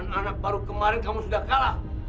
anak baru kemarin kamu sudah kalah